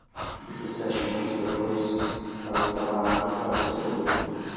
Dezessete minutos depois, ela estava na água e quase se afogou.